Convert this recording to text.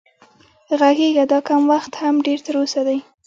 غږېږه دا کم وخت هم ډېر تر اوسه دی